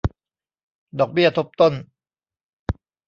ดอกเบี้ยทบต้น